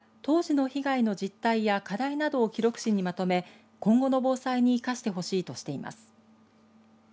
常総市では、住民たちが当時の被害の実態や課題などを記録紙にまとめ今後の防災に生かしてほしいとしています。